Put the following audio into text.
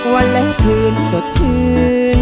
วันไหลทืนสดชื่น